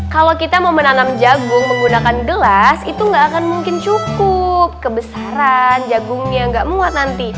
kalau kita mau menanam jagung menggunakan gelas itu nggak akan mungkin cukup kebesaran jagungnya nggak muat nanti